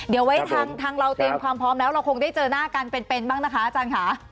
เดี๋ยวไว้ทางเราเตรียมความพร้อมแล้วเราคงได้เจอหน้ากันเป็นบ้างนะคะอาจารย์ค่ะ